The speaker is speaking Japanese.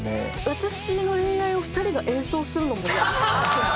私の恋愛を２人が演奏するのもイヤ。